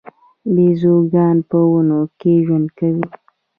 بیزوګان په ونو کې ژوند کوي